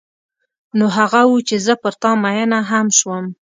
نو هغه و چې زه پر تا مینه هم شوم.